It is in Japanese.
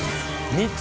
３つ。